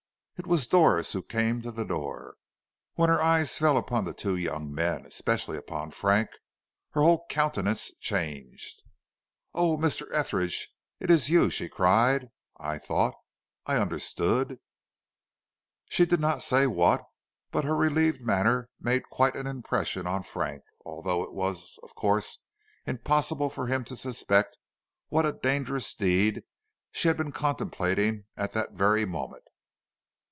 It was Doris who came to the door. When her eyes fell upon the two young men, especially upon Frank, her whole countenance changed. "Oh, Mr. Etheridge, is it you?" she cried. "I thought I understood " She did not say what, but her relieved manner made quite an impression on Frank, although it was, of course, impossible for him to suspect what a dangerous deed she had been contemplating at that very moment.